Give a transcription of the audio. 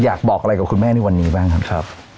อยากบอกอะไรกับคุณแม่ในวันนี้บ้างครับ